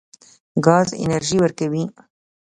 ګاز انرژي ورکوي.